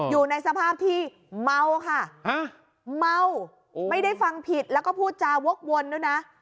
อยู่ในสภาพที่เมาค่ะเมาไม่ได้ฟังผิดแล้วก็พูดจาวกวนด้วยนะ